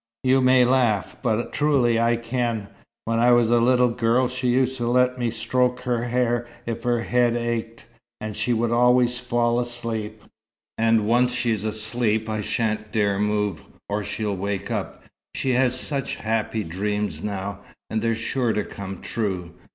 "You may laugh, but truly I can. When I was a little girl, she used to like me to stroke her hair if her head ached, and she would always fall asleep. And once she's asleep I shan't dare move, or she'll wake up. She has such happy dreams now, and they're sure to come true.